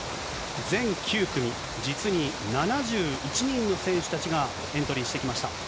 全９組、実に７１人の選手たちがエントリーしてきました。